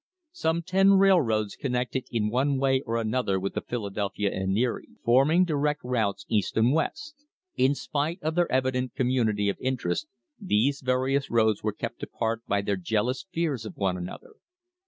Some ten railroads connected in one way or another with the Philadelphia and Erie, forming direct routes east and I west. In spite of their evident community of interest these various roads were kept apart by their jealous fears of one another.